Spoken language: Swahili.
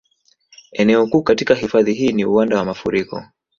Eneo kuu katika hifadhi ni uwanda wa mafuriko